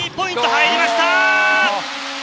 入りました！